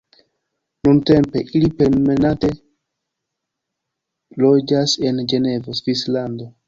Nuntempe ili permanente loĝas en Ĝenevo, Svislando.